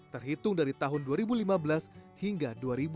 terhitung dari tahun dua ribu lima belas hingga dua ribu dua puluh